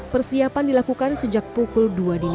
persiapan dilakukan sejak pukul dua dini hari